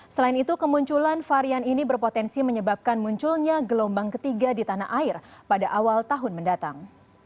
selain itu kemunculan varian ini berpotensi menyebabkan munculnya gelombang ketiga di tanah air pada awal tahun mendatang